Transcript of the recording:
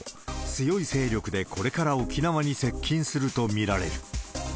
強い勢力でこれから沖縄に接近すると見られる。